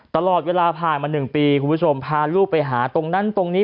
ตลอดเวลาผ่านมา๑ปีคุณผู้ชมพาลูกไปหาตรงนั้นตรงนี้